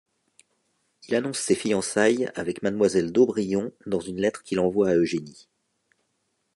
Il annonce ses fiançailles avec mademoiselle d'Aubrion dans une lettre qu'il envoie à Eugénie.